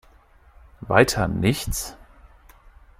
Weiter nichts?